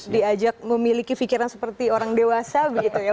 diajak memiliki pikiran seperti orang dewasa begitu ya